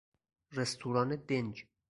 رستوران دنج